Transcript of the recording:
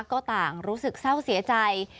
ก็ต่างรู้สึกเศร้าเสียใจ